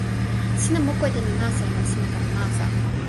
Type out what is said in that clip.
sina moku e telo nasa la sina kama nasa.